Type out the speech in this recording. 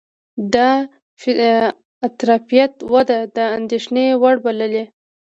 د افراطیت وده د اندېښنې وړ بللې